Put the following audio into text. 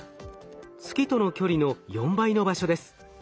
月との距離の４倍の場所です。